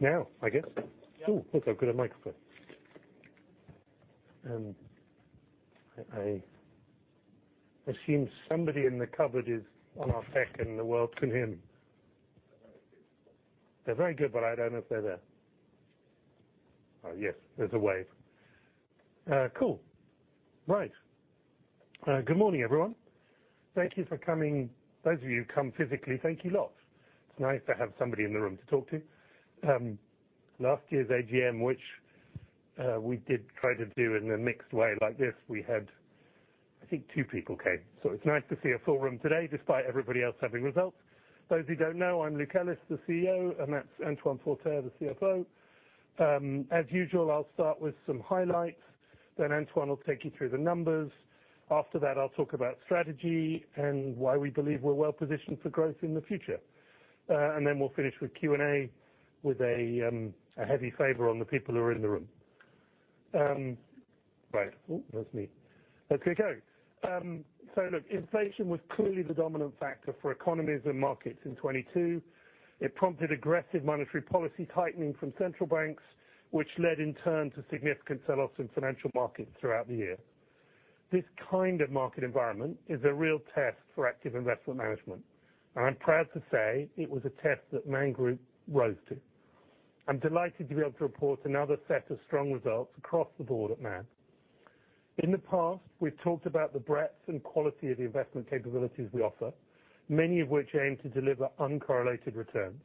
Now, I guess. Yeah. Oh, look, I've got a microphone. I assume somebody in the cupboard is on our spec and the world can hear me. They're very good. They're very good, but I don't know if they're there. Oh, yes, there's a wave. Cool. Right. Good morning, everyone. Thank you for coming. Those of you who've come physically, thank you lot. It's nice to have somebody in the room to talk to. Last year's AGM, which we did try to do in a mixed way like this, we had, I think two people came. It's nice to see a full room today, despite everybody else having results. Those who don't know, I'm Luke Ellis, the CEO, and that's Antoine Forterre, the CFO. As usual, I'll start with some highlights, then Antoine will take you through the numbers. After that, I'll talk about strategy and why we believe we're well-positioned for growth in the future. Then we'll finish with Q&A with a heavy favor on the people who are in the room. Right. Oh, that's me. Okay, go. Look, inflation was clearly the dominant factor for economies and markets in 2022. It prompted aggressive monetary policy tightening from central banks, which led in turn to significant sell-offs in financial markets throughout the year. This kind of market environment is a real test for active investment management. I'm proud to say it was a test that Man Group rose to. I'm delighted to be able to report another set of strong results across the board at Man. In the past, we've talked about the breadth and quality of the investment capabilities we offer, many of which aim to deliver uncorrelated returns.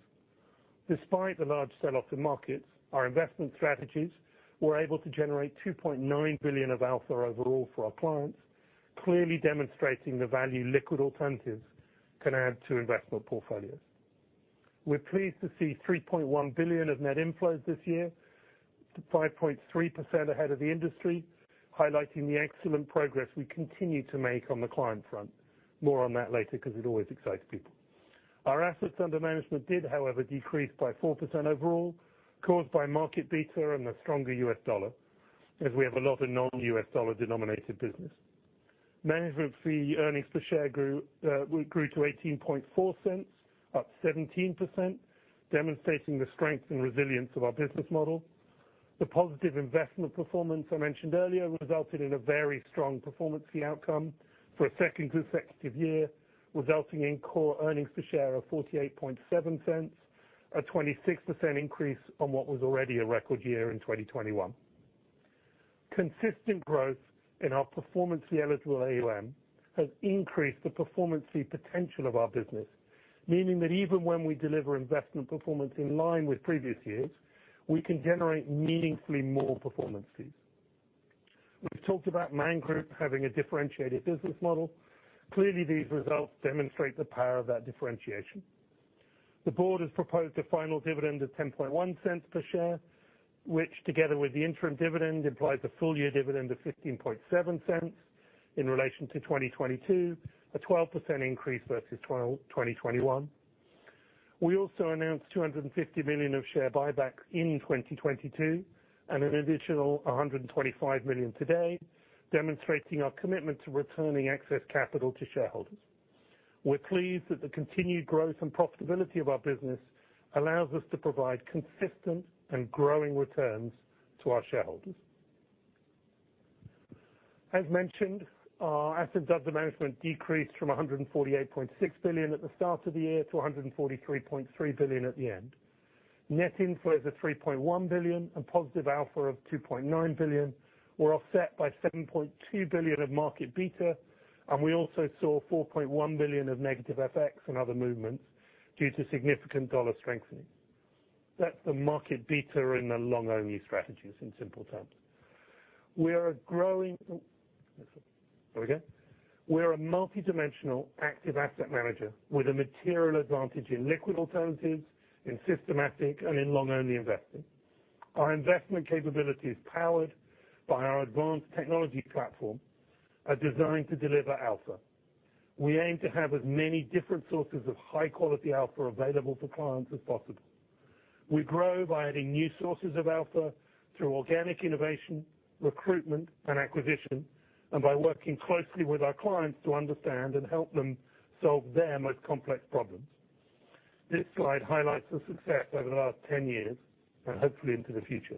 Despite the large sell-off to markets, our investment strategies were able to generate $2.9 billion of alpha overall for our clients, clearly demonstrating the value liquid alternatives can add to investment portfolios. We're pleased to see $3.1 billion of net inflows this year, 5.3% ahead of the industry, highlighting the excellent progress we continue to make on the client front. More on that later 'cause it always excites people. Our assets under management did, however, decrease by 4% overall, caused by market beta and the stronger US dollar, as we have a lot of non-US dollar-denominated business. Management fee earnings per share grew to $0.184, up 17%, demonstrating the strength and resilience of our business model. The positive investment performance I mentioned earlier resulted in a very strong performance fee outcome for a second consecutive year, resulting in core earnings per share of $0.487, a 26% increase on what was already a record year in 2021. Consistent growth in our performance fee eligible AUM has increased the performance fee potential of our business, meaning that even when we deliver investment performance in line with previous years, we can generate meaningfully more performance fees. We've talked about Man Group having a differentiated business model. Clearly, these results demonstrate the power of that differentiation. The board has proposed a final dividend of $0.101 per share, which together with the interim dividend, implies a full-year dividend of $0.157 in relation to 2022, a 12% increase versus 2021. We also announced $250 million of share buyback in 2022 and an additional $125 million today, demonstrating our commitment to returning excess capital to shareholders. We're pleased that the continued growth and profitability of our business allows us to provide consistent and growing returns to our shareholders. As mentioned, our assets under management decreased from $148.6 billion at the start of the year to $143.3 billion at the end. Net inflows of $3.1 billion and positive alpha of $2.9 billion were offset by $7.2 billion of market beta, and we also saw $4.1 billion of negative FX and other movements due to significant dollar strengthening. That's the market beta in the long-only strategies in simple terms. There we go. We're a multidimensional active asset manager with a material advantage in liquid alternatives, in systematic, and in long-only investing. Our investment capability is powered by our advanced technology platform are designed to deliver alpha. We aim to have as many different sources of high-quality alpha available to clients as possible. We grow by adding new sources of alpha through organic innovation, recruitment, and acquisition, and by working closely with our clients to understand and help them solve their most complex problems. This slide highlights the success over the last 10 years and hopefully into the future.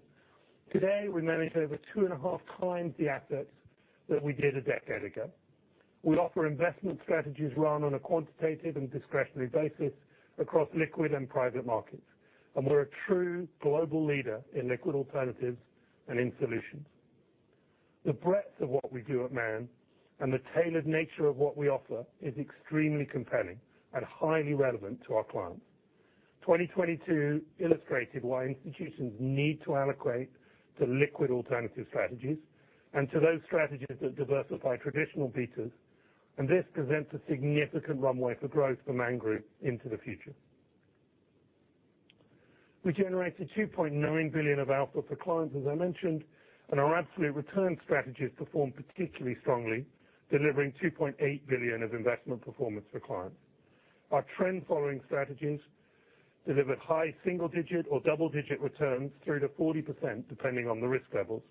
Today, we manage over 2.5x the assets that we did 10 years ago. We offer investment strategies run on a quantitative and discretionary basis across liquid and private markets, and we're a true global leader in liquid alternatives and in solutions. The breadth of what we do at Man and the tailored nature of what we offer is extremely compelling and highly relevant to our clients. 2022 illustrated why institutions need to allocate to liquid alternative strategies and to those strategies that diversify traditional betas. This presents a significant runway for growth for Man Group into the future. We generated $2.9 billion of alpha for clients, as I mentioned, and our absolute return strategies performed particularly strongly, delivering $2.8 billion of investment performance for clients. Our trend following strategies delivered high single digit or double-digit returns through to 40% depending on the risk levels,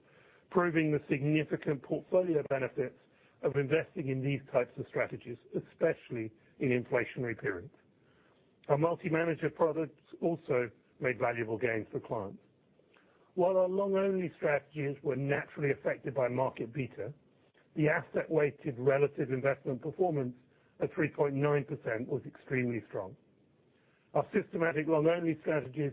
proving the significant portfolio benefits of investing in these types of strategies, especially in inflationary periods. Our multi-manager products also made valuable gains for clients. While our long-only strategies were naturally affected by market beta, the asset-weighted relative investment performance of 3.9% was extremely strong. Our systematic long-only strategies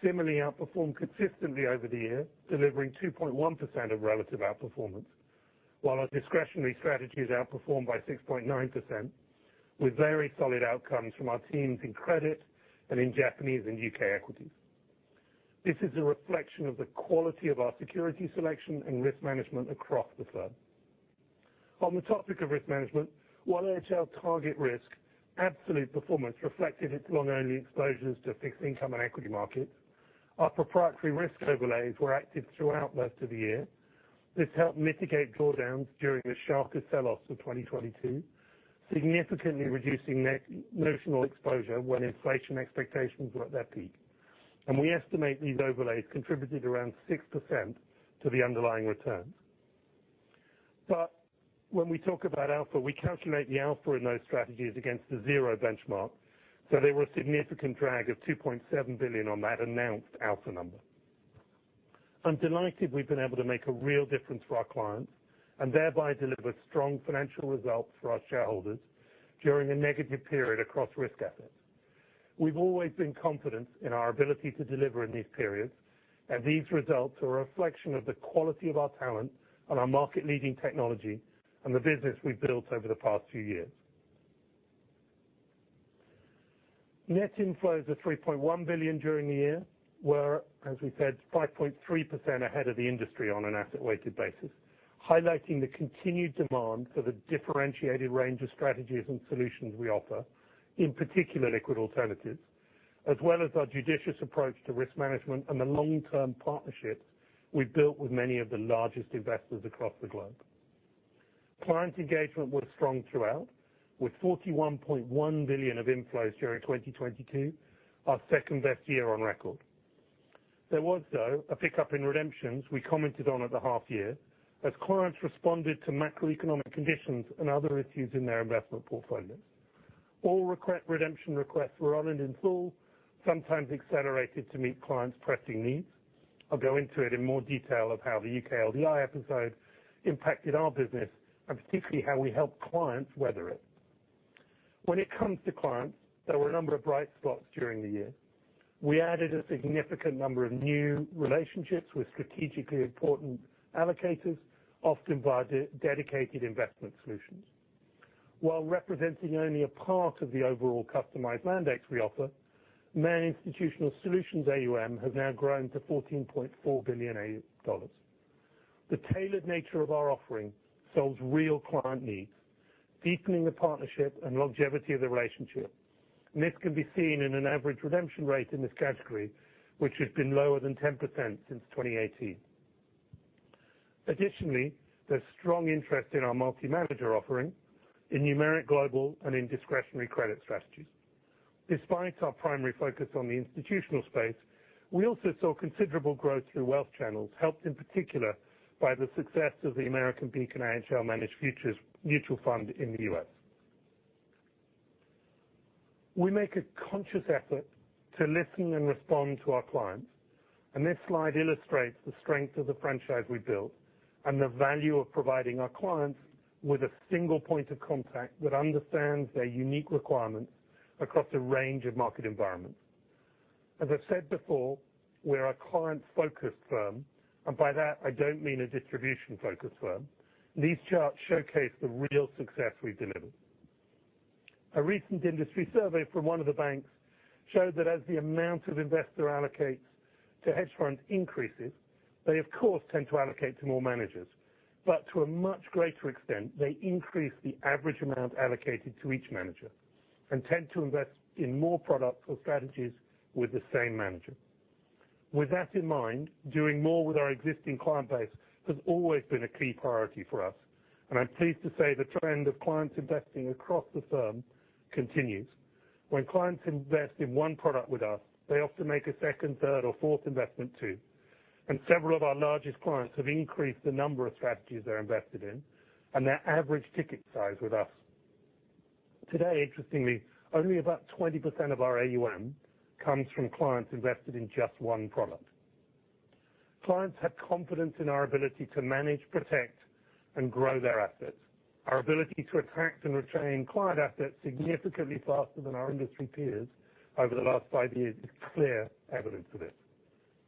similarly outperformed consistently over the year, delivering 2.1% of relative outperformance, while our discretionary strategies outperformed by 6.9%, with very solid outcomes from our teams in credit and in Japanese and UK equities. This is a reflection of the quality of our security selection and risk management across the firm. On the topic of risk management, while AHL TargetRisk absolute performance reflected its long-only exposures to fixed income and equity markets, our proprietary risk overlays were active throughout most of the year. This helped mitigate drawdowns during the sharper sell-offs of 2022, significantly reducing net notional exposure when inflation expectations were at their peak. We estimate these overlays contributed around 6% to the underlying returns. When we talk about alpha, we calculate the alpha in those strategies against the zero benchmark, so there were a significant drag of $2.7 billion on that announced alpha number. I'm delighted we've been able to make a real difference for our clients and thereby deliver strong financial results for our shareholders during a negative period across risk assets. We've always been confident in our ability to deliver in these periods. These results are a reflection of the quality of our talent and our market-leading technology and the business we've built over the past few years. Net inflows of $3.1 billion during the year were, as we said, 5.3% ahead of the industry on an asset-weighted basis, highlighting the continued demand for the differentiated range of strategies and solutions we offer, in particular liquid alternatives, as well as our judicious approach to risk management and the long-term partnerships we've built with many of the largest investors across the globe. Client engagement was strong throughout, with $41.1 billion of inflows during 2022, our second-best year on record. There was, though, a pickup in redemptions we commented on at the half year as clients responded to macroeconomic conditions and other issues in their investment portfolios. All redemption requests were honored in full, sometimes accelerated to meet clients' pressing needs. I'll go into it in more detail of how the UK LDI episode impacted our business, and particularly how we helped clients weather it. When it comes to clients, there were a number of bright spots during the year. We added a significant number of new relationships with strategically important allocators, often via de-dedicated investment solutions. While representing only a part of the overall customized mandates we offer, managed Institutional Solutions AUM has now grown to $14.4 billion. The tailored nature of our offering solves real client needs, deepening the partnership and longevity of the relationship. This can be seen in an average redemption rate in this category, which has been lower than 10% since 2018. Additionally, there's strong interest in our multi-manager offering in Numeric Global and in discretionary credit strategies. Despite our primary focus on the institutional space, we also saw considerable growth through wealth channels, helped in particular by the success of the American Beacon AHL Managed Futures mutual fund in the US. We make a conscious effort to listen and respond to our clients, and this slide illustrates the strength of the franchise we built and the value of providing our clients with a single point of contact that understands their unique requirements across a range of market environments. As I've said before, we're a client-focused firm, and by that, I don't mean a distribution-focused firm. These charts showcase the real success we've delivered. A recent industry survey from one of the banks showed that as the amount of investor allocates to hedge fund increases, they of course, tend to allocate to more managers. To a much greater extent, they increase the average amount allocated to each manager and tend to invest in more products or strategies with the same manager. With that in mind, doing more with our existing client base has always been a key priority for us, I'm pleased to say the trend of clients investing across the firm continues. When clients invest in one product with us, they often make a second, third or fourth investment too. Several of our largest clients have increased the number of strategies they're invested in and their average ticket size with us. Today, interestingly, only about 20% of our AUM comes from clients invested in just one product. Clients have confidence in our ability to manage, protect, and grow their assets. Our ability to attract and retain client assets significantly faster than our industry peers over the last five years is clear evidence of this.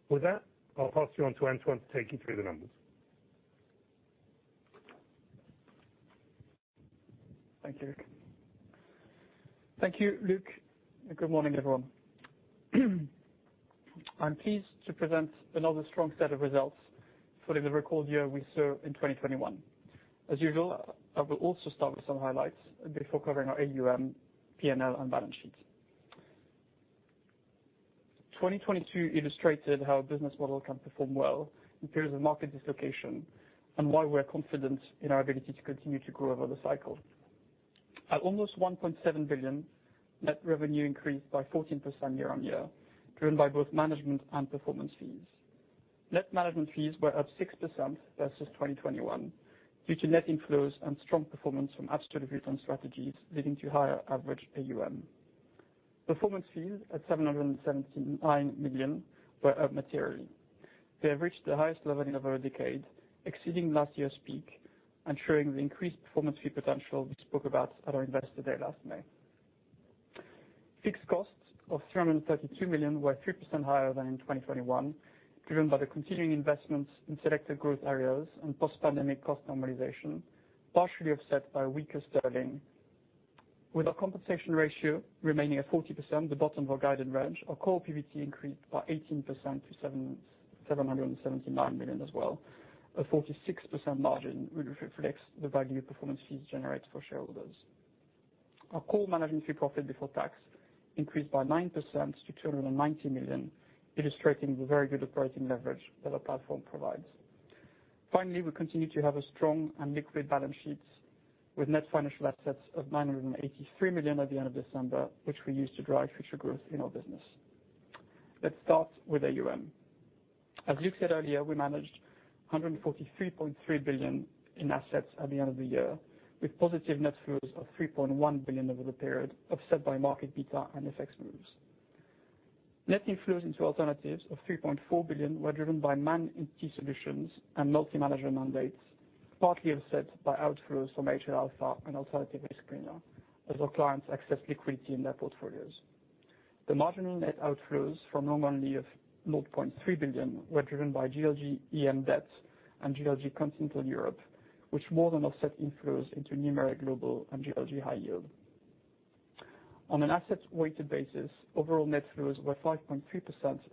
With that, I'll pass you on to Antoine Forterre to take you through the numbers. Thank you. Thank you, Luke. Good morning, everyone. I'm pleased to present another strong set of results following the record year we saw in 2021. As usual, I will also start with some highlights before covering our AUM, P&L, and balance sheet. 2022 illustrated how our business model can perform well in periods of market dislocation and why we're confident in our ability to continue to grow over the cycle. At almost $1.7 billion, net revenue increased by 14% year-on-year, driven by both management and performance fees. Net management fees were up 6% versus 2021 due to net inflows and strong performance from absolute return strategies, leading to higher average AUM. Performance fees at $779 million were up materially. They have reached the highest level in over a decade, exceeding last year's peak and showing the increased performance fee potential we spoke about at our Investor Day last May. Fixed costs of $332 million were 3% higher than in 2021, driven by the continuing investments in selected growth areas and post-pandemic cost normalization, partially offset by weaker sterling. With our compensation ratio remaining at 40%, the bottom of our guided range, our core PBT increased by 18% to $779 million as well. A 46% margin, which reflects the value performance fees generate for shareholders. Our core management fee profit before tax increased by 9% to $290 million, illustrating the very good operating leverage that our platform provides. Finally, we continue to have a strong and liquid balance sheet with net financial assets of $983 million at the end of December, which we use to drive future growth in our business. Let's start with AUM. As Luke said earlier, we managed $143.3 billion in assets at the end of the year, with positive net flows of $3.1 billion over the period, offset by market beta and FX moves. Net inflows into alternatives of $3.4 billion were driven by Man GLG Solutions and multi-manager mandates, partly offset by outflows from AHL Alpha and Alternative Risk Premia as our clients access liquidity in their portfolios. The marginal net outflows from long-only of $0.3 billion were driven by GLG EM Debt and GLG Continental Europe, which more than offset inflows into Numeric Global and GLG High Yield. On an asset-weighted basis, overall net flows were 5.3%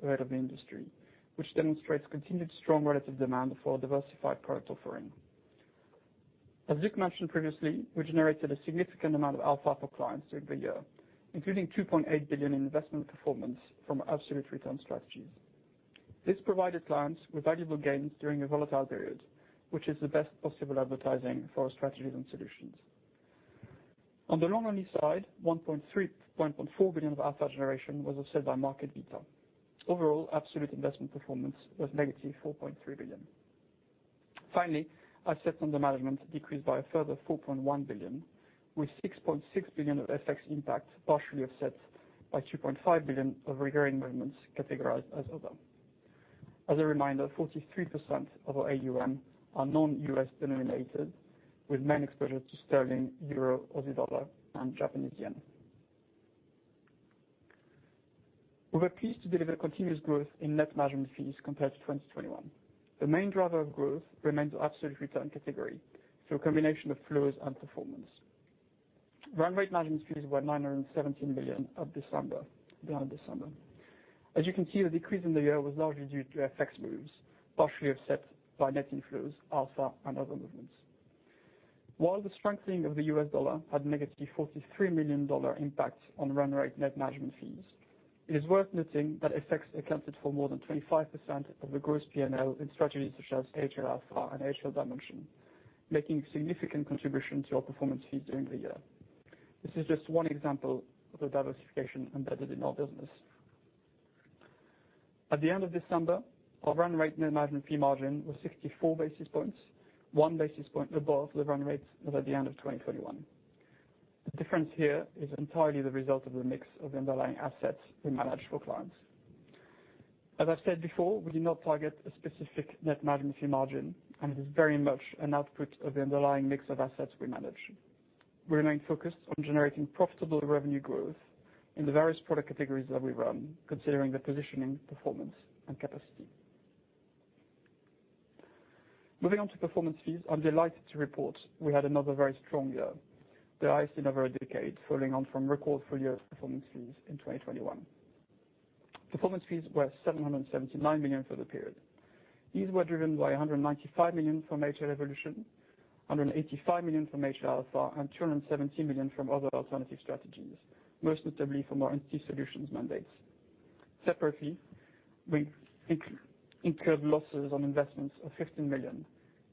ahead of the industry, which demonstrates continued strong relative demand for a diversified product offering. As Luke mentioned previously, we generated a significant amount of alpha for clients during the year, including $2.8 billion in investment performance from absolute return strategies. This provided clients with valuable gains during a volatile period, which is the best possible advertising for our strategies and solutions. On the long-only side, $1.4 billion of alpha generation was offset by market beta. Overall, absolute investment performance was -$4.3 billion. Assets under management decreased by a further $4.1 billion, with $6.6 billion of FX impact partially offset by $2.5 billion of revaluing movements categorized as other. As a reminder, 43% of our AUM are non-US denominated, with main exposure to sterling, euro, Aussie dollar, and Japanese yen. We were pleased to deliver continuous growth in net management fees compared to 2021. The main driver of growth remains the absolute return category through a combination of flows and performance. Run rate management fees were $917 billion down in December. As you can see, the decrease in the year was largely due to FX moves, partially offset by net inflows, alpha, and other movements. While the strengthening of the US dollar had a negative $43 million impact on run rate net management fees, it is worth noting that FX accounted for more than 25% of the gross PNL in strategies such as AHL Alpha and AHL Dimensions, making significant contribution to our performance fees during the year. This is just one example of the diversification embedded in our business. At the end of December, our run rate net management fee margin was 64 basis points, 1 basis point above the run rate of at the end of 2021. The difference here is entirely the result of the mix of underlying assets we manage for clients. As I've said before, we do not target a specific net management fee margin, and it is very much an output of the underlying mix of assets we manage. We remain focused on generating profitable revenue growth in the various product categories that we run, considering the positioning, performance, and capacity. Moving on to performance fees, I'm delighted to report we had another very strong year, the highest in over a decade, following on from record full year performance fees in 2021. Performance fees were $779 million for the period. These were driven by $195 million from AHL Evolution, $185 million from AHL Alpha, and $270 million from other alternative strategies, most notably from our NT Solutions mandates. Separately, we incurred losses on investments of $15 million,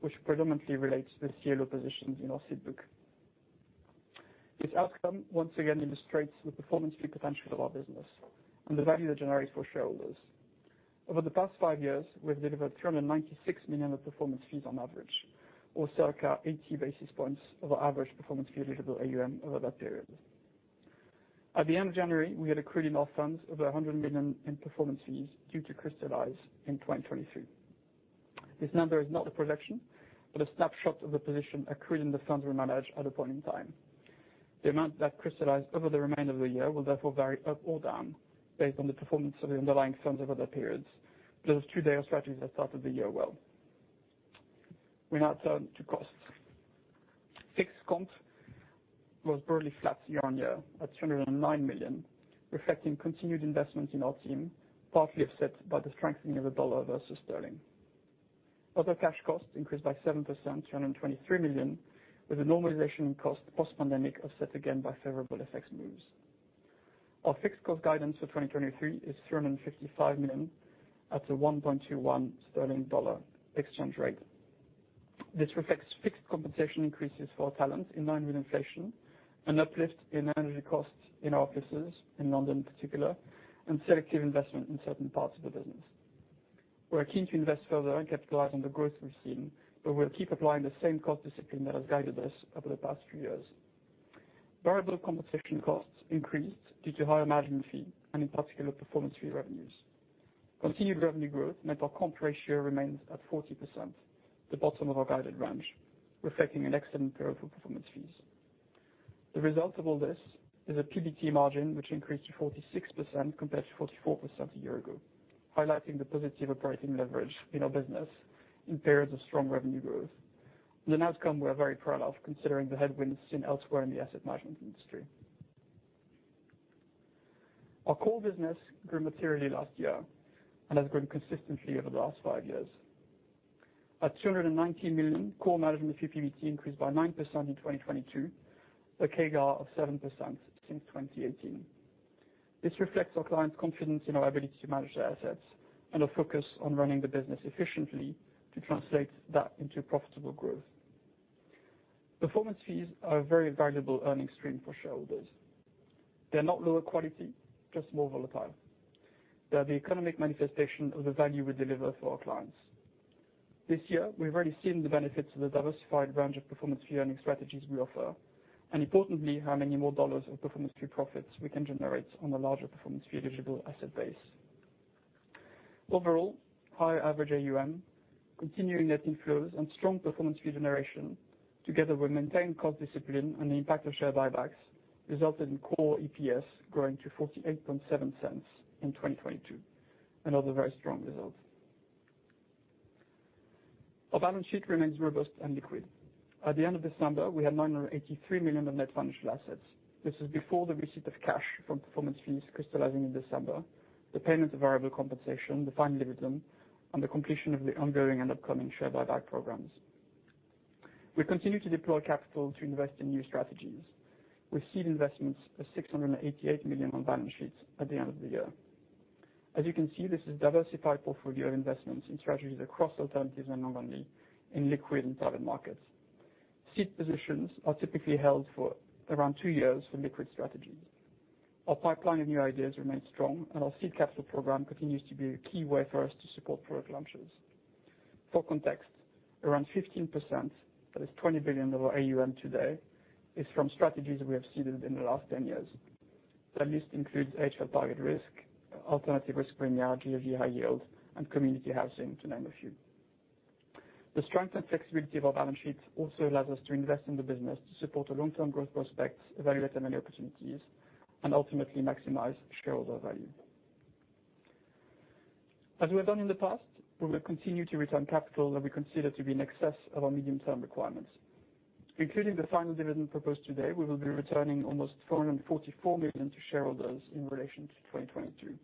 which predominantly relates to CLO positions in our seed book. This outcome once again illustrates the performance fee potential of our business and the value it generates for shareholders. Over the past five years, we've delivered $396 million of performance fees on average, or circa 80 basis points of our average performance fee eligible AUM over that period. At the end of January, we had accrued in our funds over $100 million in performance fees due to crystallize in 2023. This number is not a projection, but a snapshot of the position accrued in the funds we manage at a point in time. The amount that crystallized over the remainder of the year will therefore vary up or down based on the performance of the underlying funds over the periods. Those two data strategies that started the year well. We now turn to costs. Fixed comp was barely flat year-over-year at $209 million, reflecting continued investments in our team, partly offset by the strengthening of the dollar versus sterling. Other cash costs increased by 7%, $223 million, with a normalization in cost post-pandemic offset again by favorable FX moves. Our fixed cost guidance for 2023 is 355 million at a 1.21 sterling dollar exchange rate. This reflects fixed compensation increases for talent in line with inflation, an uplift in energy costs in our offices, in London in particular, and selective investment in certain parts of the business. We are keen to invest further and capitalize on the growth we've seen, but we'll keep applying the same cost discipline that has guided us over the past few years. Variable compensation costs increased due to higher management fee and, in particular, performance fee revenues. Continued revenue growth meant our comp ratio remains at 40%, the bottom of our guided range, reflecting an excellent pair of performance fees. The result of all this is a PBT margin which increased to 46% compared to 44% a year ago, highlighting the positive operating leverage in our business in periods of strong revenue growth, and an outcome we're very proud of considering the headwinds seen elsewhere in the asset management industry. Our core business grew materially last year and has grown consistently over the last five years. At $290 million, core management fee PBT increased by 9% in 2022, a CAGR of 7% since 2018. This reflects our clients' confidence in our ability to manage their assets and a focus on running the business efficiently to translate that into profitable growth. Performance fees are a very valuable earning stream for shareholders. They're not lower quality, just more volatile. They are the economic manifestation of the value we deliver for our clients. This year, we've already seen the benefits of the diversified range of performance fee earning strategies we offer, and importantly, how many more dollars of performance fee profits we can generate on a larger performance fee eligible asset base. Overall, higher average AUM, continuing net inflows, and strong performance fee generation, together with maintained cost discipline and the impact of share buybacks, resulted in core EPS growing to $0.487 in 2022. Another very strong result. Our balance sheet remains robust and liquid. At the end of December, we had $983 million of net financial assets. This is before the receipt of cash from performance fees crystallizing in December, the payment of variable compensation, the final dividend, and the completion of the ongoing and upcoming share buyback programs. We continue to deploy capital to invest in new strategies. We see investments of $688 million on balance sheets at the end of the year. As you can see, this is a diversified portfolio of investments in strategies across alternatives and non-bank, in liquid and private markets. Seed positions are typically held for around two years for liquid strategies. Our pipeline of new ideas remains strong, and our seed capital program continues to be a key way for us to support product launches. For context, around 15%, that is $20 billion of our AUM today, is from strategies we have seeded in the last 10 years. That list includes AHL TargetRisk, Alternative Risk Premia, GLG High Yield, and Community Housing, to name a few. The strength and flexibility of our balance sheets also allows us to invest in the business to support our long-term growth prospects, evaluate M&A opportunities, and ultimately maximize shareholder value. As we have done in the past, we will continue to return capital that we consider to be in excess of our medium-term requirements. Including the final dividend proposed today, we will be returning almost $444 million to shareholders in relation to 2022,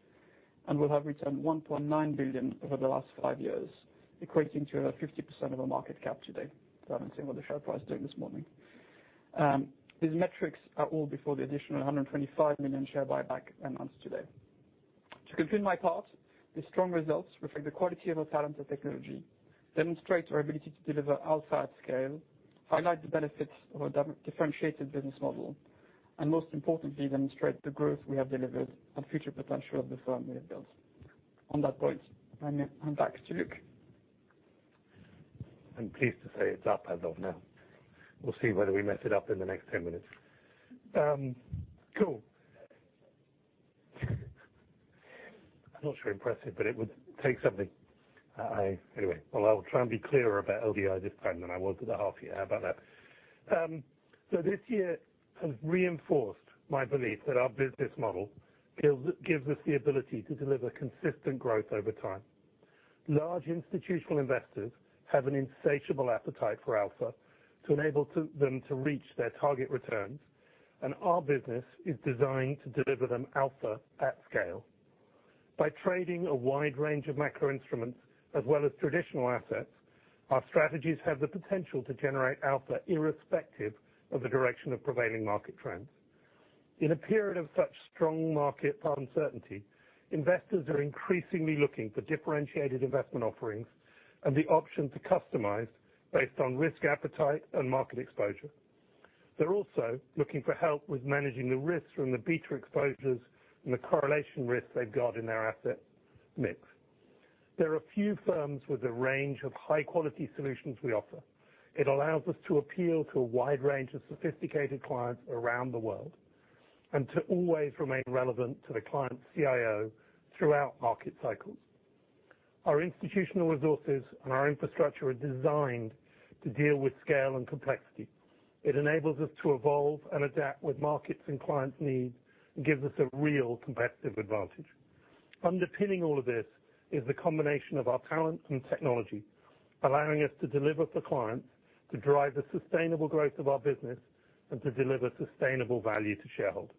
and we'll have returned $1.9 billion over the last five years, equating to a 50% of our market cap today. I haven't seen what the share price is doing this morning. These metrics are all before the additional $125 million share buyback announced today. To conclude my part, these strong results reflect the quality of our talent and technology, demonstrate our ability to deliver alpha at scale, highlight the benefits of a differentiated business model, and most importantly, demonstrate the growth we have delivered and future potential of the firm we have built. On that point, I'm back to Luke. I'm pleased to say it's up as of now. We'll see whether we mess it up in the next 10 minutes. Cool. I'm not sure impressive, but it would take something. Anyway. I'll try and be clearer about LDI this time than I was at the half year. How about that? This year has reinforced my belief that our business model gives us the ability to deliver consistent growth over time. Large institutional investors have an insatiable appetite for alpha to enable them to reach their target returns, our business is designed to deliver them alpha at scale. By trading a wide range of macro instruments as well as traditional assets, our strategies have the potential to generate alpha irrespective of the direction of prevailing market trends. In a period of such strong market uncertainty, investors are increasingly looking for differentiated investment offerings and the option to customize based on risk appetite and market exposure. They're also looking for help with managing the risks from the beta exposures and the correlation risks they've got in their asset mix. There are few firms with the range of high-quality solutions we offer. It allows us to appeal to a wide range of sophisticated clients around the world and to always remain relevant to the client's CIO throughout market cycles. Our institutional resources and our infrastructure are designed to deal with scale and complexity. It enables us to evolve and adapt with markets and clients' needs, and gives us a real competitive advantage. Underpinning all of this is the combination of our talent and technology, allowing us to deliver for clients, to drive the sustainable growth of our business, and to deliver sustainable value to shareholders.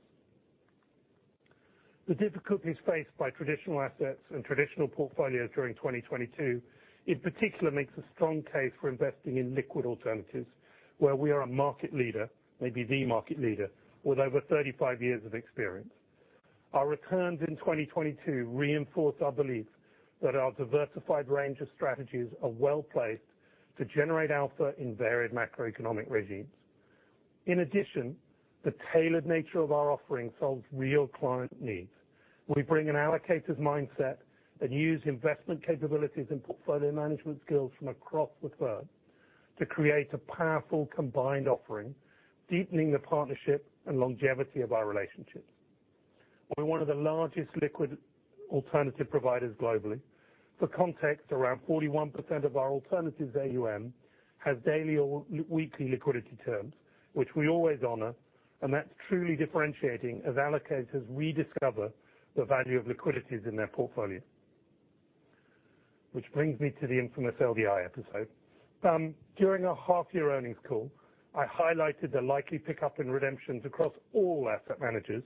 The difficulties faced by traditional assets and traditional portfolios during 2022, in particular, makes a strong case for investing in liquid alternatives where we are a market leader, maybe the market leader, with over 35 years of experience. Our returns in 2022 reinforce our belief that our diversified range of strategies are well-placed to generate alpha in varied macroeconomic regimes. The tailored nature of our offering solves real client needs. We bring an allocator's mindset and use investment capabilities and portfolio management skills from across the firm to create a powerful combined offering, deepening the partnership and longevity of our relationships. We're one of the largest liquid alternative providers globally. For context, around 41% of our alternatives AUM has daily or weekly liquidity terms, which we always honor, and that's truly differentiating as allocators rediscover the value of liquidities in their portfolios. Which brings me to the infamous LDI episode. During our half-year earnings call, I highlighted the likely pickup in redemptions across all asset managers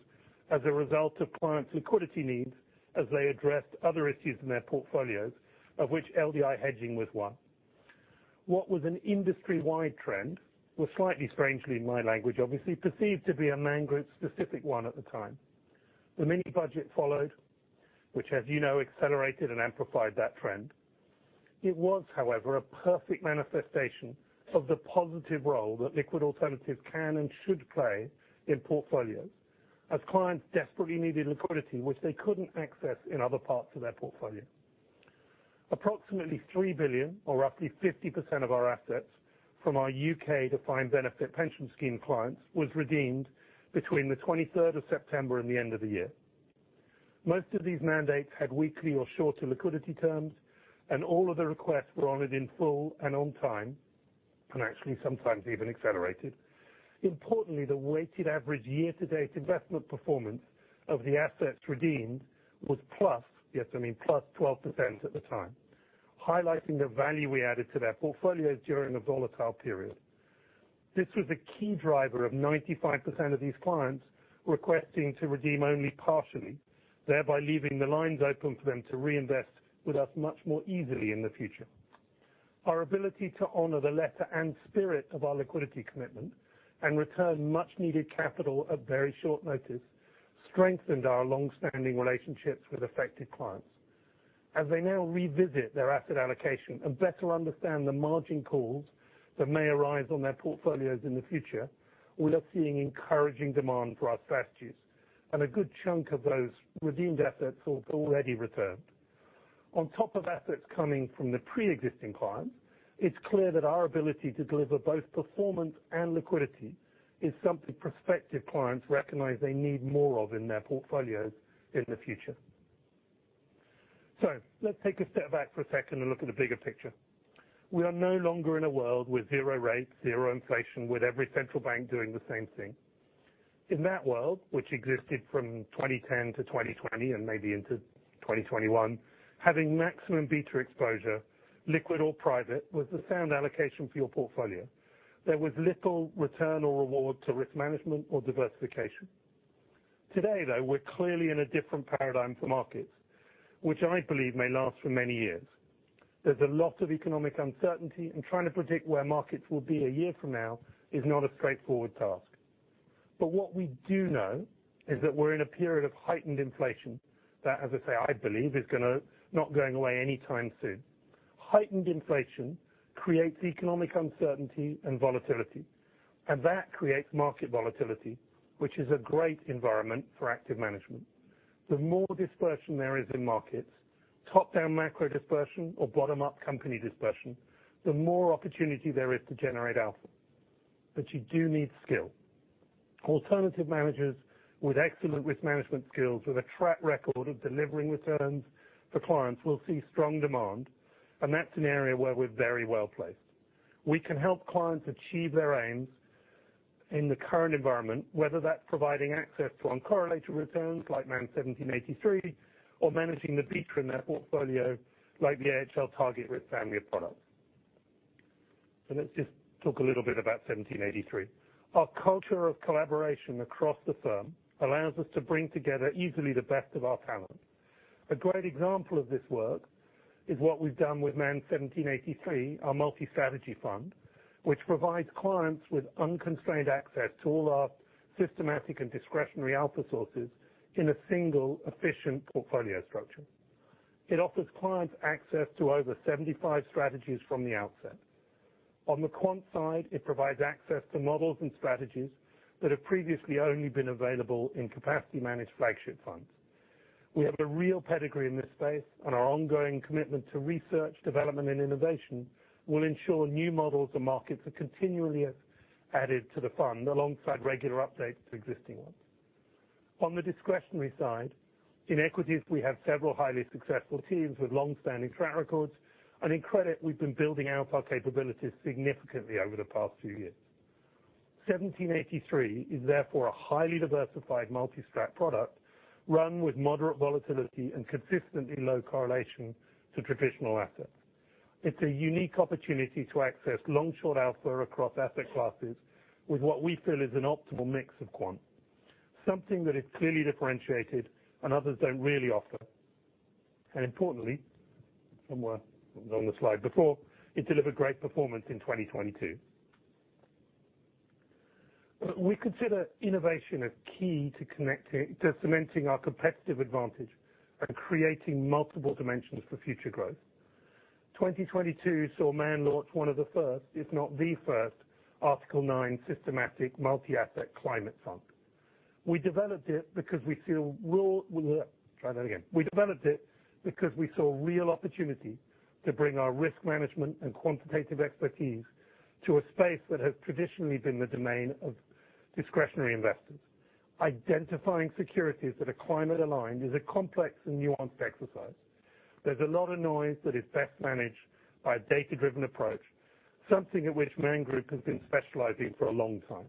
as a result of clients' liquidity needs as they addressed other issues in their portfolios, of which LDI hedging was one. What was an industry-wide trend was slightly strangely, in my language obviously, perceived to be a Man Group specific one at the time. The mini budget followed, which, as you know, accelerated and amplified that trend. It was, however, a perfect manifestation of the positive role that liquid alternatives can and should play in portfolios as clients desperately needed liquidity which they couldn't access in other parts of their portfolio. Approximately $3 billion, or roughly 50% of our assets from our UK defined benefit pension scheme clients, was redeemed between the 23rd of September and the end of the year. Most of these mandates had weekly or shorter liquidity terms. All of the requests were honored in full and on time, and actually sometimes even accelerated. Importantly, the weighted average year-to-date investment performance of the assets redeemed was plus, yes, I mean +12% at the time, highlighting the value we added to their portfolios during a volatile period. This was a key driver of 95% of these clients requesting to redeem only partially, thereby leaving the lines open for them to reinvest with us much more easily in the future. Our ability to honor the letter and spirit of our liquidity commitment and return much-needed capital at very short notice strengthened our long-standing relationships with affected clients. As they now revisit their asset allocation and better understand the margin calls that may arise on their portfolios in the future, we are seeing encouraging demand for our strategies and a good chunk of those redeemed assets already returned. On top of assets coming from the pre-existing clients, it's clear that our ability to deliver both performance and liquidity is something prospective clients recognize they need more of in their portfolios in the future. Let's take a step back for a second and look at the bigger picture. We are no longer in a world with zero rates, zero inflation, with every central bank doing the same thing. In that world, which existed from 2010 to 2020 and maybe into 2021, having maximum beta exposure, liquid or private, was the sound allocation for your portfolio. There was little return or reward to risk management or diversification. Today, though, we're clearly in a different paradigm for markets, which I believe may last for many years. There's a lot of economic uncertainty, and trying to predict where markets will be a year from now is not a straightforward task. What we do know is that we're in a period of heightened inflation that, as I say, I believe is not going away anytime soon. Heightened inflation creates economic uncertainty and volatility, and that creates market volatility, which is a great environment for active management. The more dispersion there is in markets, top-down macro dispersion or bottom-up company dispersion, the more opportunity there is to generate alpha. You do need skill. Alternative managers with excellent risk management skills with a track record of delivering returns for clients will see strong demand, and that's an area where we're very well-placed. We can help clients achieve their aims in the current environment, whether that's providing access to uncorrelated returns like Man 1783 or managing the beta in their portfolio like the AHL TargetRisk family of products. Let's just talk a little bit about 1783. Our culture of collaboration across the firm allows us to bring together easily the best of our talent. A great example of this work is what we've done with Man 1783, our multi-strategy fund, which provides clients with unconstrained access to all our systematic and discretionary alpha sources in a single efficient portfolio structure. It offers clients access to over 75 strategies from the outset. On the quant side, it provides access to models and strategies that have previously only been available in capacity managed flagship funds. We have a real pedigree in this space, and our ongoing commitment to research, development, and innovation will ensure new models and markets are continually added to the fund alongside regular updates to existing ones. On the discretionary side, in equities, we have several highly successful teams with long-standing track records, and in credit we've been building out our capabilities significantly over the past few years. 1783 is therefore a highly diversified multi-strat product run with moderate volatility and consistently low correlation to traditional assets. It's a unique opportunity to access long short alpha across asset classes with what we feel is an optimal mix of quant, something that is clearly differentiated and others don't really offer. Importantly, from where on the slide before, it delivered great performance in 2022. We consider innovation a key to cementing our competitive advantage and creating multiple dimensions for future growth. 2022 saw Man launch one of the first, if not the first, Article 9 systematic multi-asset climate fund. We developed it because we saw a real opportunity to bring our risk management and quantitative expertise to a space that has traditionally been the domain of discretionary investors. Identifying securities that are climate-aligned is a complex and nuanced exercise. There's a lot of noise that is best managed by a data-driven approach, something at which Man Group has been specializing for a long time.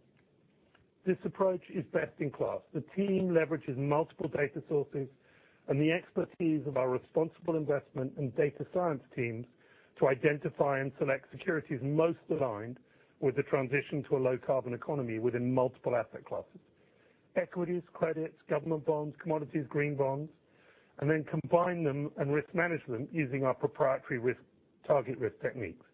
This approach is best in class. The team leverages multiple data sources and the expertise of our responsible investment and data science teams to identify and select securities most aligned with the transition to a low carbon economy within multiple asset classes, equities, credits, government bonds, commodities, green bonds, and then combine them and risk manage them using our proprietary target risk techniques.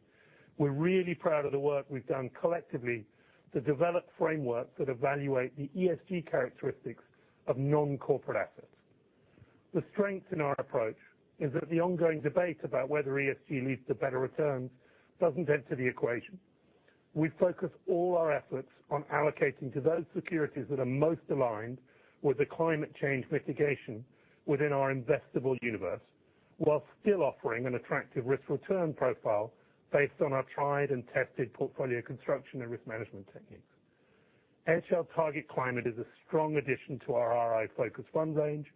We're really proud of the work we've done collectively to develop frameworks that evaluate the ESG characteristics of non-corporate assets. The strength in our approach is that the ongoing debate about whether ESG leads to better returns doesn't enter the equation. We focus all our efforts on allocating to those securities that are most aligned with the climate change mitigation within our investable universe, while still offering an attractive risk-return profile based on our tried and tested portfolio construction and risk management techniques. AHL TargetClimate is a strong addition to our RI focus fund range,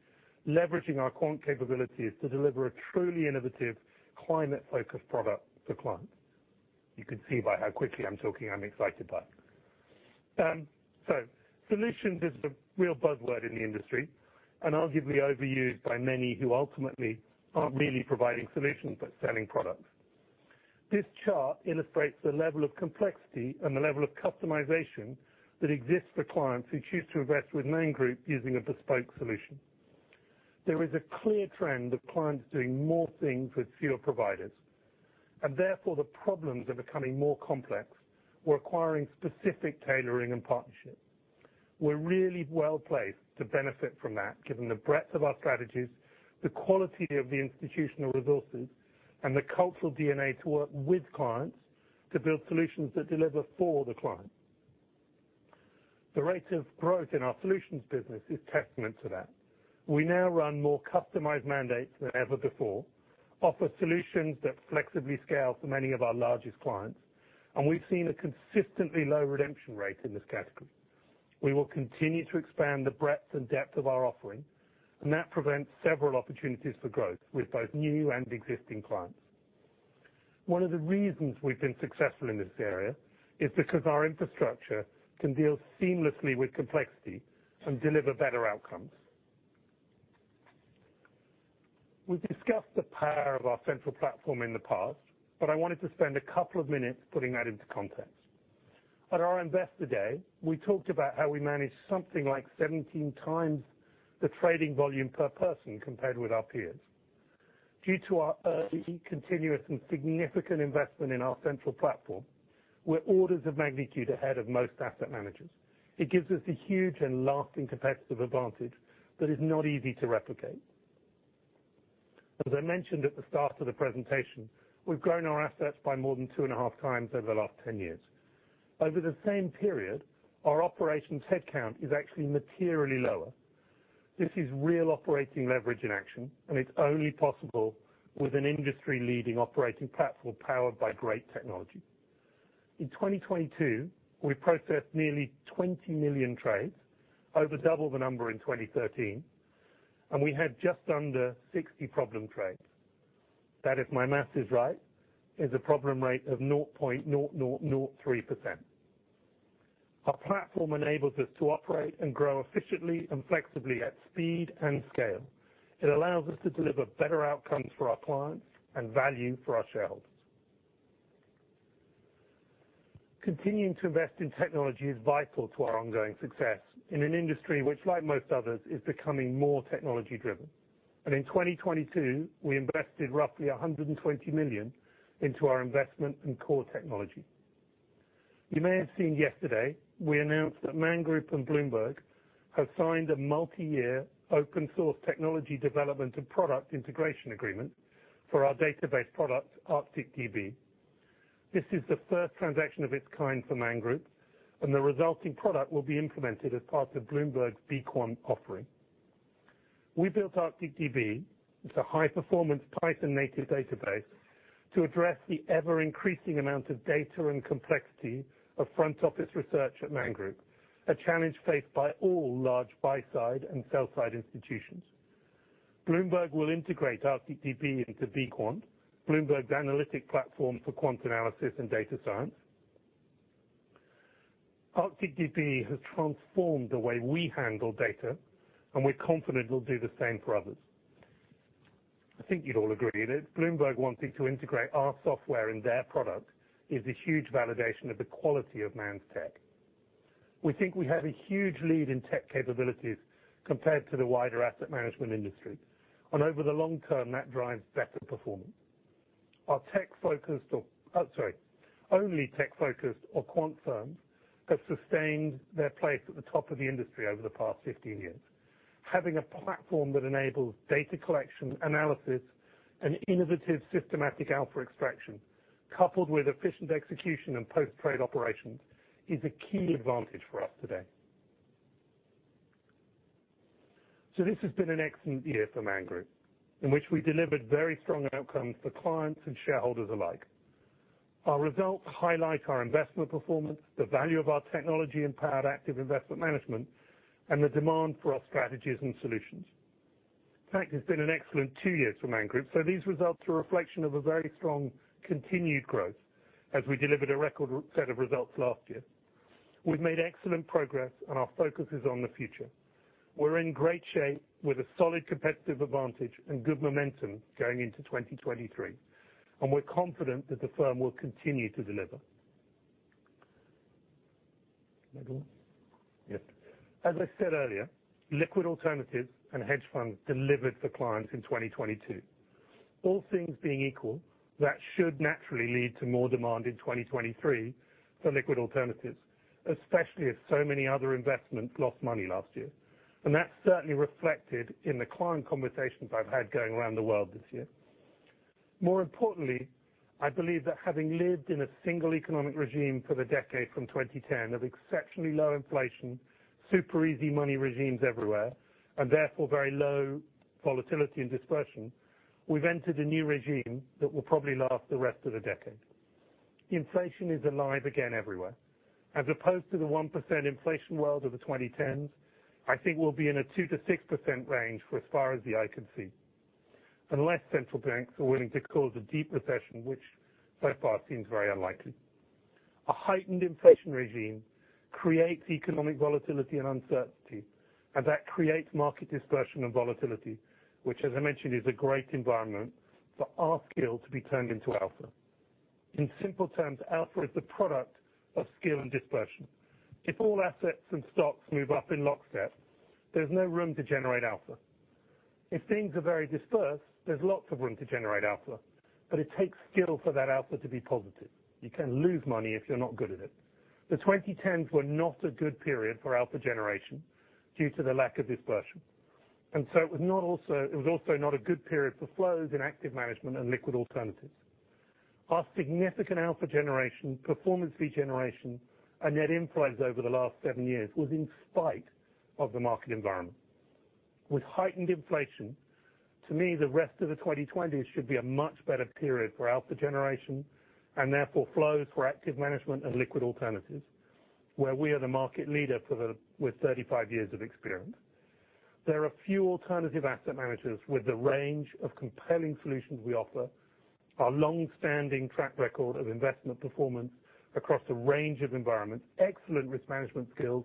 leveraging our quant capabilities to deliver a truly innovative climate-focused product for clients. You can see by how quickly I'm talking, I'm excited by it. Solutions is the real buzzword in the industry and arguably overused by many who ultimately aren't really providing solutions but selling products. This chart illustrates the level of complexity and the level of customization that exists for clients who choose to invest with Man Group using a bespoke solution. There is a clear trend of clients doing more things with fewer providers, and therefore the problems are becoming more complex, requiring specific tailoring and partnership. We're really well-placed to benefit from that, given the breadth of our strategies, the quality of the institutional resources, and the cultural DNA to work with clients to build solutions that deliver for the client. The rate of growth in our solutions business is testament to that. We now run more customized mandates than ever before, offer solutions that flexibly scale for many of our largest clients, and we've seen a consistently low redemption rate in this category. We will continue to expand the breadth and depth of our offering, and that presents several opportunities for growth with both new and existing clients. One of the reasons we've been successful in this area is because our infrastructure can deal seamlessly with complexity and deliver better outcomes. We've discussed the power of our central platform in the past. I wanted to spend a couple of minutes putting that into context. At our Investor Day, we talked about how we manage something like 17 times the trading volume per person compared with our peers. Due to our early, continuous, and significant investment in our central platform, we're orders of magnitude ahead of most asset managers. It gives us a huge and lasting competitive advantage that is not easy to replicate. As I mentioned at the start of the presentation, we've grown our assets by more than two and a half times over the last 10 years. Over the same period, our operations headcount is actually materially lower. This is real operating leverage in action, and it's only possible with an industry-leading operating platform powered by great technology. In 2022, we processed nearly 20 million trades, over double the number in 2013, and we had just under 60 problem trades. That, if my math is right, is a problem rate of 0.0003%. Our platform enables us to operate and grow efficiently and flexibly at speed and scale. It allows us to deliver better outcomes for our clients and value for our shareholders. Continuing to invest in technology is vital to our ongoing success in an industry which, like most others, is becoming more technology-driven. In 2022, we invested roughly $120 million into our investment in core technology. You may have seen yesterday, we announced that Man Group and Bloomberg have signed a multi-year open source technology development and product integration agreement for our database product, ArcticDB. This is the first transaction of its kind for Man Group. The resulting product will be implemented as part of Bloomberg's BQuant offering. We built ArcticDB, it's a high-performance Python native database, to address the ever-increasing amount of data and complexity of front office research at Man Group, a challenge faced by all large buy side and sell side institutions. Bloomberg will integrate ArcticDB into BQuant, Bloomberg's analytic platform for quant analysis and data science. ArcticDB has transformed the way we handle data. We're confident it'll do the same for others. I think you'd all agree that Bloomberg wanting to integrate our software in their product is a huge validation of the quality of Man tech. We think we have a huge lead in tech capabilities compared to the wider asset management industry. Over the long term, that drives better performance. Only tech-focused or quant firms have sustained their place at the top of the industry over the past 15 years. Having a platform that enables data collection, analysis, and innovative systematic alpha extraction, coupled with efficient execution and post-trade operations, is a key advantage for us today. This has been an excellent year for Man Group, in which we delivered very strong outcomes for clients and shareholders alike. Our results highlight our investment performance, the value of our technology-empowered active investment management, and the demand for our strategies and solutions. In fact, it's been an excellent two years for Man Group. These results are a reflection of a very strong continued growth as we delivered a record set of results last year. We've made excellent progress and our focus is on the future. We're in great shape with a solid competitive advantage and good momentum going into 2023. We're confident that the firm will continue to deliver. Next one. Yes. As I said earlier, liquid alternatives and hedge funds delivered for clients in 2022. All things being equal, that should naturally lead to more demand in 2023 for liquid alternatives, especially as so many other investments lost money last year. That's certainly reflected in the client conversations I've had going around the world this year. More importantly, I believe that having lived in a single economic regime for the decade from 2010 of exceptionally low inflation, super easy money regimes everywhere, and therefore very low volatility and dispersion, we've entered a new regime that will probably last the rest of the decade. Inflation is alive again everywhere. As opposed to the 1% inflation world of the 2010s, I think we'll be in a 2%-6% range for as far as the eye can see. Unless central banks are willing to cause a deep recession, which so far seems very unlikely. A heightened inflation regime creates economic volatility and uncertainty, and that creates market dispersion and volatility, which as I mentioned, is a great environment for our skill to be turned into alpha. In simple terms, alpha is the product of skill and dispersion. If all assets and stocks move up in lockstep, there's no room to generate alpha. If things are very dispersed, there's lots of room to generate alpha, but it takes skill for that alpha to be positive. You can lose money if you're not good at it. The 20 tens were not a good period for alpha generation due to the lack of dispersion. It was also not a good period for flows in active management and liquid alternatives. Our significant alpha generation, performance fee generation, and net inflows over the last seven years was in spite of the market environment. With heightened inflation, to me, the rest of the 20 twenties should be a much better period for alpha generation and therefore flows for active management and liquid alternatives, where we are the market leader with 35 years of experience. There are few alternative asset managers with the range of compelling solutions we offer, our long-standing track record of investment performance across a range of environments, excellent risk management skills,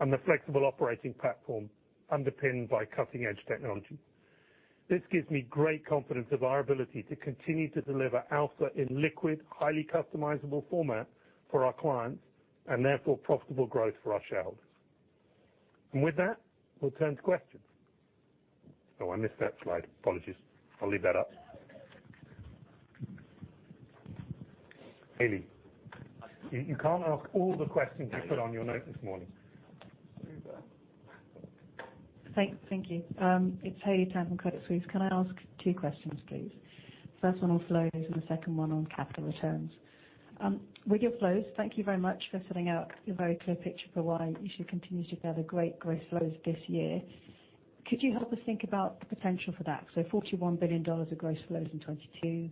and the flexible operating platform underpinned by cutting-edge technology. This gives me great confidence of our ability to continue to deliver alpha in liquid, highly customizable format for our clients, and therefore profitable growth for our shareholders. With that, we'll turn to questions. Oh, I missed that slide. Apologies. I'll leave that up. Haley, you can't ask all the questions you put on your note this morning. Thank you. It's Haley Tan from Credit Suisse. Can I ask two questions, please? First one on flows and the second one on capital returns. With your flows, thank you very much for setting out a very clear picture for why you should continue to gather great growth flows this year. Could you help us think about the potential for that? Forty-one billion dollars of gross flows in 2022.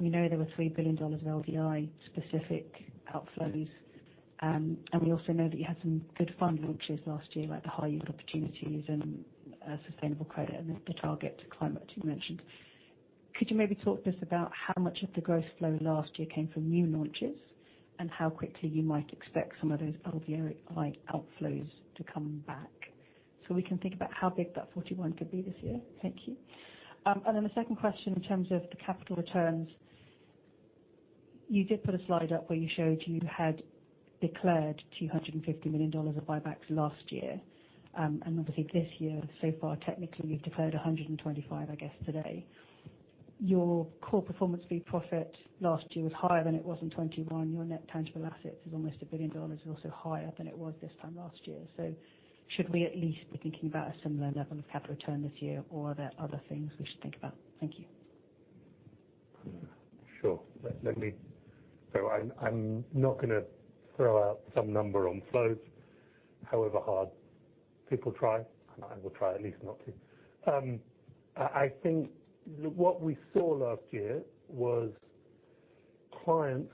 We know there were $3 billion of LDI specific outflows. We also know that you had some good fund launches last year, like the High Yield Opportunities and Sustainable Credit and the TargetClimate you mentioned. Could you maybe talk to us about how much of the growth flow last year came from new launches and how quickly you might expect some of those LDI outflows to come back so we can think about how big that 41 could be this year? Thank you. The second question in terms of the capital returns. You did put a slide up where you showed you had declared $250 million of buybacks last year. Obviously this year, so far, technically, you've declared $125, I guess today. Your core performance fee profit last year was higher than it was in 2021. Your net tangible assets is almost $1 billion, also higher than it was this time last year. Should we at least be thinking about a similar level of capital return this year or are there other things we should think about? Thank you. Sure. Let me... I'm not gonna throw out some number on flows however hard people try, and I will try at least not to. I think what we saw last year was clients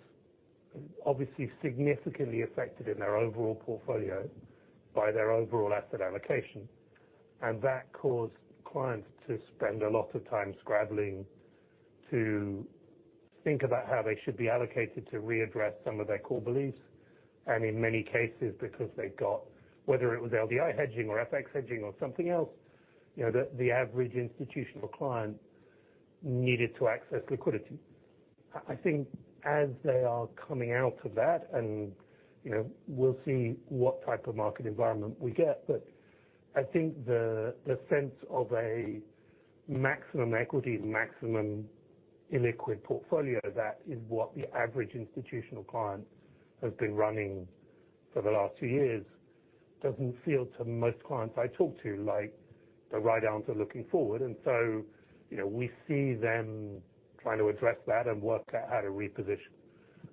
obviously significantly affected in their overall portfolio by their overall asset allocation, and that caused clients to spend a lot of time scrabbling to think about how they should be allocated to readdress some of their core beliefs. In many cases, because they've got, whether it was LDI hedging or FX hedging or something else, you know, the average institutional client needed to access liquidity. I think as they are coming out of that and, you know, we'll see what type of market environment we get. I think the sense of a maximum equity, maximum illiquid portfolio, that is what the average institutional client has been running for the last two years, doesn't feel to most clients I talk to, like the right answer looking forward. You know, we see them trying to address that and work out how to reposition.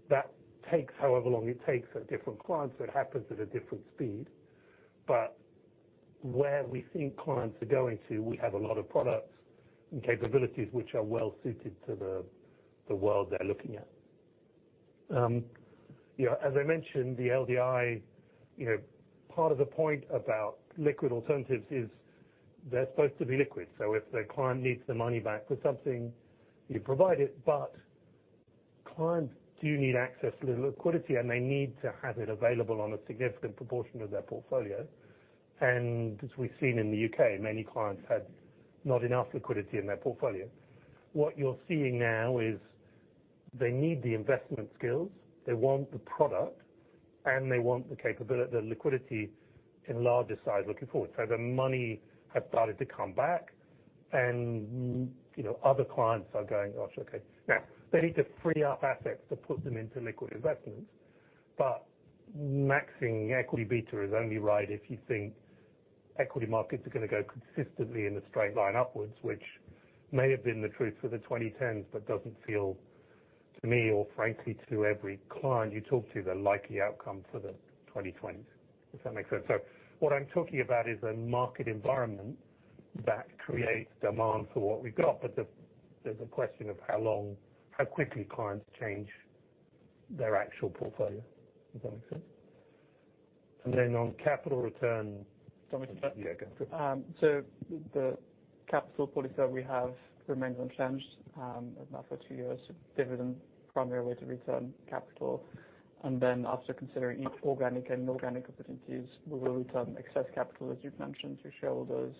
That takes however long it takes at different clients. It happens at a different speed. Where we think clients are going to, we have a lot of products and capabilities which are well suited to the world they're looking at. You know, as I mentioned, the LDI, you know, part of the point about liquid alternatives is they're supposed to be liquid. If the client needs the money back for something, you provide it. Clients do need access to the liquidity, and they need to have it available on a significant proportion of their portfolio. As we've seen in the UK, many clients had not enough liquidity in their portfolio. What you're seeing now is they need the investment skills, they want the product, and they want the capability, the liquidity in larger size looking forward. The money has started to come back and, you know, other clients are going, "Gosh, okay." Now they need to free up assets to put them into liquid investments. Maxing equity beta is only right if you think equity markets are gonna go consistently in a straight line upwards, which may have been the truth for the 2010s, but doesn't feel to me, or frankly to every client you talk to, the likely outcome for the 2020s, if that makes sense. What I'm talking about is a market environment that creates demand for what we've got. The, there's a question of how long, how quickly clients change their actual portfolio. Does that make sense? Then on capital return. Do you want me to take that? Yeah, go for it. The capital policy that we have remains unchanged now for two years. Dividend, primary way to return capital. After considering each organic and inorganic opportunities, we will return excess capital, as you've mentioned, to shareholders,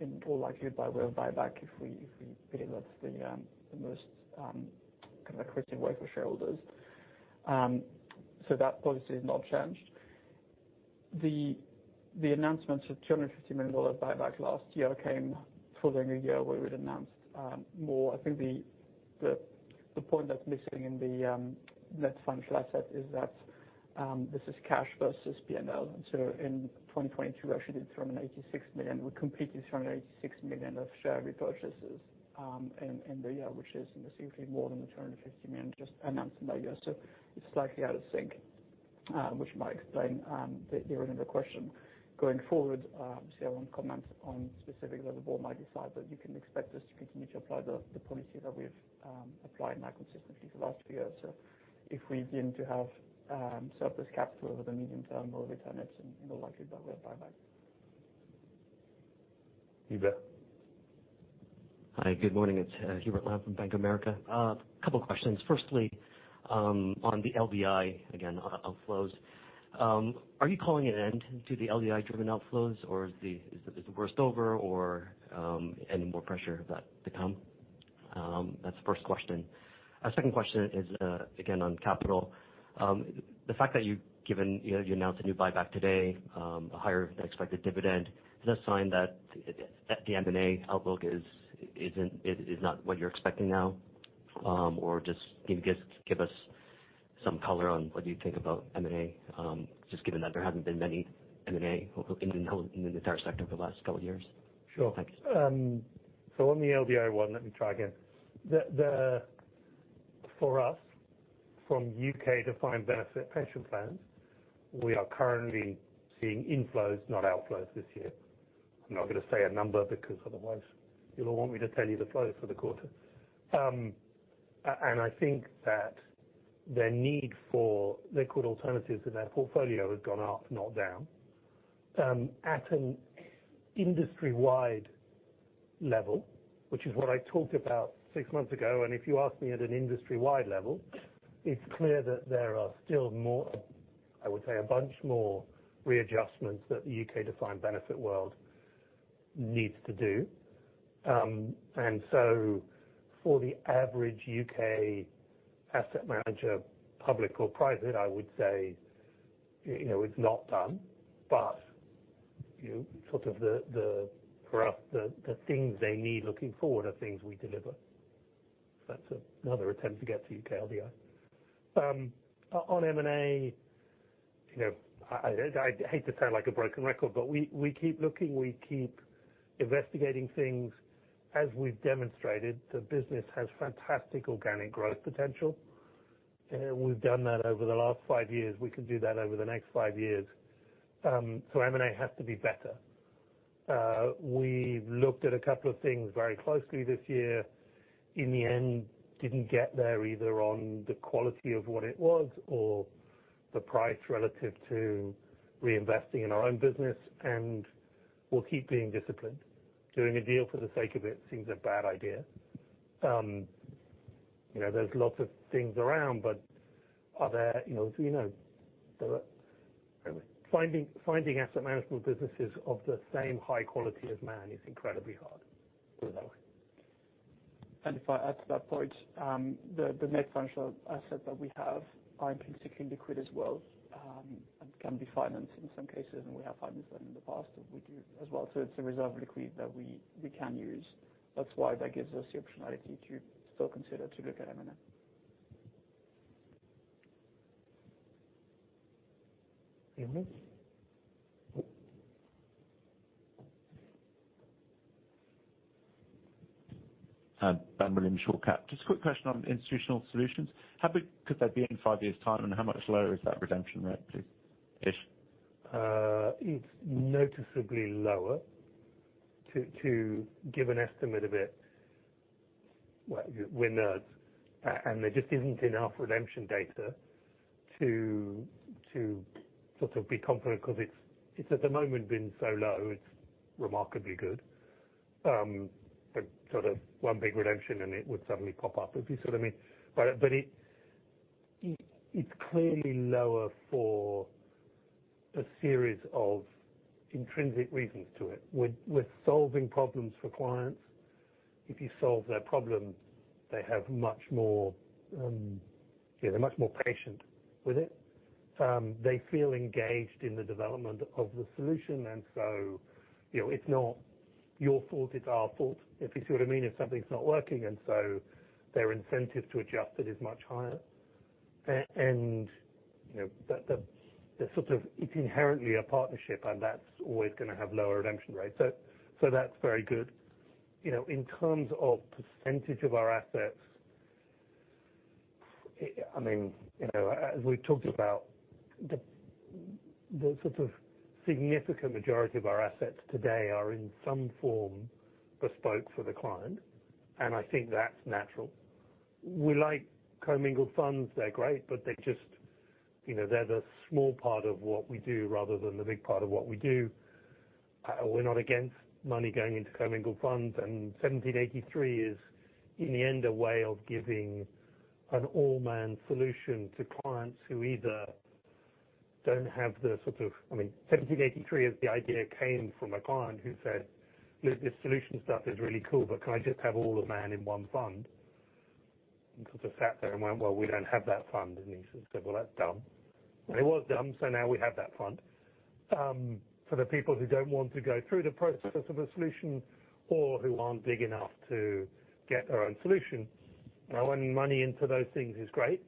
in all likelihood by way of buyback if we feel that's the most kind of accretive way for shareholders. That policy has not changed. The announcements of $250 million buyback last year came following a year where we'd announced more. I think the point that's missing in the net financial assets is that this is cash versus P&L. In 2022, actually did $386 million. We completed $386 million of share repurchases in the year, which is significantly more than the $250 million just announced in that year. It's slightly out of sync, which might explain the original question. Going forward, obviously I won't comment on specifics that the board might decide, but you can expect us to continue to apply the policy that we've applied now consistently for the last two years. If we begin to have surplus capital over the medium term, we'll return it in all likelihood by way of buyback. Hubert. Hi, good morning. It's Hubert Lam from Bank of America. Couple questions. Firstly, on the LDI, again, outflows. Are you calling an end to the LDI driven outflows, or is the worst over or any more pressure that to come? That's the first question. Second question is again on capital. The fact that you've given, you know, you announced a new buyback today, a higher than expected dividend, is that a sign that the M&A outlook is not what you're expecting now? Just can you give us some color on what you think about M&A, just given that there haven't been many M&A in the entire sector for the last couple years? Sure. Thank you. On the LDI one, let me try again. For us, from UK. defined benefit pension plans, we are currently seeing inflows, not outflows this year. I'm not gonna say a number because otherwise you'll want me to tell you the flows for the quarter. I think that their need for liquid alternatives in their portfolio has gone up, not down. At an industry-wide level, which is what I talked about six months ago, if you ask me at an industry-wide level, it's clear that there are still more, I would say a bunch more readjustments that the UK defined benefit world needs to do. For the average UK asset manager, public or private, I would say, you know, it's not done. You know, for us, the things they need looking forward are things we deliver. That's another attempt to get to UK LDI. On M&A, you know, I hate to sound like a broken record, we keep looking, we keep investigating things. As we've demonstrated, the business has fantastic organic growth potential. We've done that over the last five years. We can do that over the next five years. M&A has to be better. We've looked at a couple of things very closely this year. In the end, didn't get there either on the quality of what it was or the price relative to reinvesting in our own business. We'll keep being disciplined. Doing a deal for the sake of it seems a bad idea. You know, there's lots of things around, but are there, you know? You know, finding asset management businesses of the same high quality as Man is incredibly hard. Put it that way. If I add to that point, the net financial assets that we have are intrinsically liquid as well, and can be financed in some cases, and we have financed them in the past, and we do as well. It's a reserve of liquid that we can use. That's why that gives us the optionality to still consider to look at M&A. Any more? Ben Williams, Shore Capital. Just a quick question on Institutional Solutions. How big could they be in five years' time, and how much lower is that redemption rate, please? Ish. It's noticeably lower to give an estimate of it. Well, we're nerds, and there just isn't enough redemption data to sort of be confident 'cause it's at the moment been so low, it's remarkably good. But sort of one big redemption, and it would suddenly pop up, if you see what I mean. But it's clearly lower for a series of intrinsic reasons to it. We're solving problems for clients. If you solve their problem, they have much more, yeah, they're much more patient with it. They feel engaged in the development of the solution, and so, you know, it's not your fault, it's our fault, if you see what I mean, if something's not working, and so their incentive to adjust it is much higher. You know, the sort of... It's inherently a partnership, and that's always gonna have lower redemption rates. That's very good. You know, in terms of percentage of our assets, I mean, you know, as we've talked about, the sort of significant majority of our assets today are in some form bespoke for the client. I think that's natural. We like commingled funds, they're great. They just, you know, they're the small part of what we do rather than the big part of what we do. We're not against money going into commingled funds. Man 1783 is, in the end, a way of giving an all-Man solution to clients who either don't have the sort of... I mean, Man 1783 as the idea came from a client who said, "This solution stuff is really cool, but can I just have all of Man in one fund?" Sort of sat there and went, "Well, we don't have that fund." He said, "Well, that's dumb." It was dumb, so now we have that fund for the people who don't want to go through the process of a solution or who aren't big enough to get their own solution. Winning money into those things is great.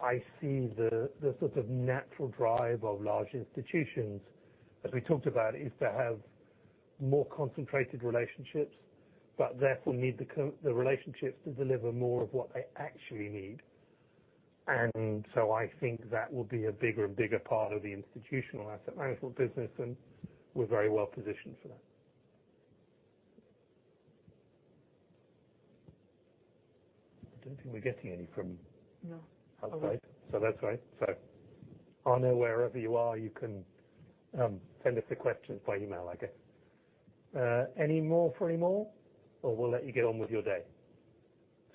I see the sort of natural drive of large institutions, as we talked about, is to have more concentrated relationships, therefore need the relationships to deliver more of what they actually need. I think that will be a bigger and bigger part of the institutional asset management business, and we're very well positioned for that. I don't think we're getting any. No... outside. That's all right. Arno, wherever you are, you can send us the questions by email, I guess. Any more for anymore? We'll let you get on with your day.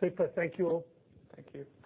Super. Thank you all. Thank you.